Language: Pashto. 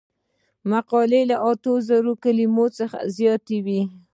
مقالې له اته زره کلمو څخه زیاتې وي.